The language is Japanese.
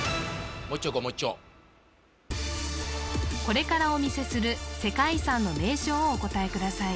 もう一丁いこうもう一丁これからお見せする世界遺産の名称をお答えください